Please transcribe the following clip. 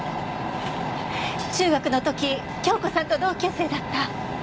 中学の時京子さんと同級生だった。